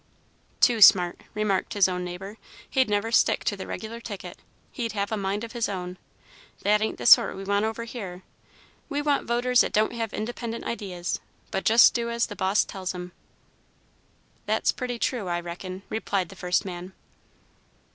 "Too smart," remarked his next neighbor. "He'd never stick to the regular ticket; he'd have a mind of his own. That ain't the sort we want over here. We want voters that don't have independent ideas, but just do as the boss tells 'em." "That's pretty true, I reckon," replied the first man.